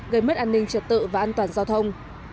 gây mất an ninh trật tự và an toàn giao thông